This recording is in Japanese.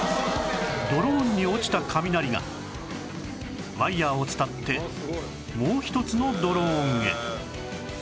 ドローンに落ちた雷がワイヤを伝ってもう一つのドローンへ